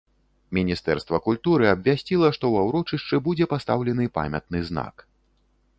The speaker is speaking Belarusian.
Міністэрства культуры абвясціла, што ва ўрочышчы будзе пастаўлены памятны знак.